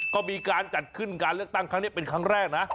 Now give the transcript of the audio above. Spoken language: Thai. ก็มีการจัดขึ้นการเลือกตั้งครั้งนี้เป็นครั้งแรกนะ